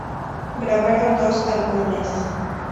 Grabaron dos álbumes.